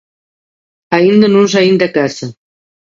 Aínda non saín de casa.